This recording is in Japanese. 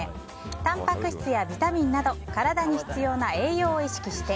たんぱく質やビタミンなど体に必要な栄養を意識して。